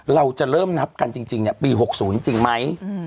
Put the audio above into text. เราจะเริ่มนับกันจริงปี๖๐จริงไหม